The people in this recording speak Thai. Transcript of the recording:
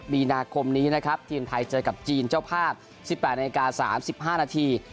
มีนาคมนี้นะครับทีมไทยเจอกับจีนเจ้าภาพ๑๘นาที๓๕นาที